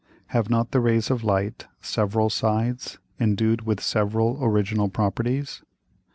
Have not the Rays of Light several sides, endued with several original Properties?